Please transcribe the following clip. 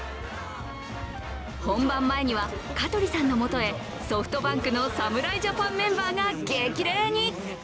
本番前には、香取さんのもとへソフトバンクの侍ジャパンメンバーが激励に。